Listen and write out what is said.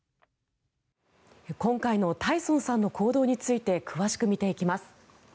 今回のタイソンさんの行動について詳しく見ていきます。